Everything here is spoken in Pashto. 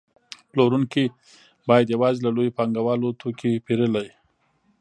پلورونکي باید یوازې له لویو پانګوالو توکي پېرلی